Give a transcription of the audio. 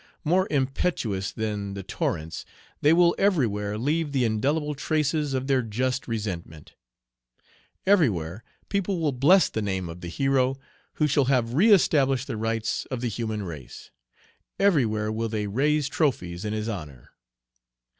More impetuous than the torrents, they will everywhere leave the indelible traces of their just resentment. Everywhere people will bless the name of the hero, who shall have reëstablished the rights of the human race; everywhere will they raise trophies in his honor."